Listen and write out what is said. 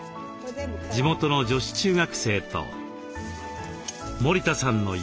地元の女子中学生と森田さんの友人です。